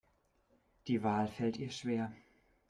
Die Wahl fällt ihr schwer.